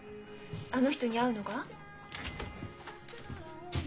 あの人に会うのが？